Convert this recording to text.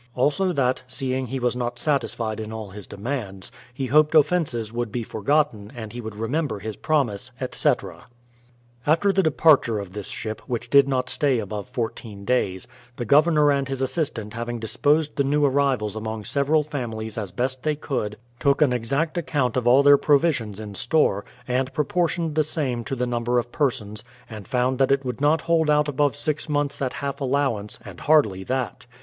Also that, seeing he was not satisfied in all his demands, he hoped offences would be forgotten, and he would remember his promise, etc. After the departure of this ship, which did not stay above fourteen days, the Governor and his assistant having dis posed the new arrivals among several families as best they could, took an exact account of all their provisions in store, and proportioned the same to the number of persons, and found that it would not hold out above six months at half allowance, and hardly that.